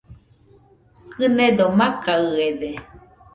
Kɨnedo makaɨede